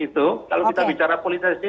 kalau kita bicara politisnya